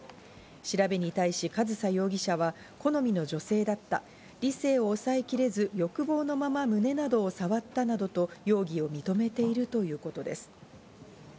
調べに対し上総容疑者は、好みの女性だった、理性を抑えきれず、欲望のまま胸などを触ったなどと容疑を認めているということです。